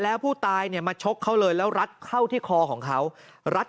แล้วผู้ตายเนี่ยมาชกเขาเลยแล้วรัดเข้าที่คอของเขารัด